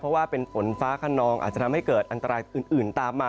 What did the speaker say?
เพราะว่าเป็นฝนฟ้าขนองอาจจะทำให้เกิดอันตรายอื่นตามมา